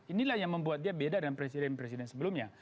inilah yang membuat dia beda dengan presiden presiden sebelumnya